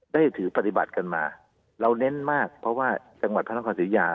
ได้ถือปฏิบัติกันมาเราเน้นมากเพราะว่าจังหวัดพระนครศิริยา